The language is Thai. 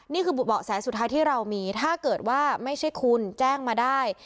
นี่คือเบาะแสสุดท้ายที่เรามีถ้าเกิดว่าไม่ใช่คุณแจ้งมาได้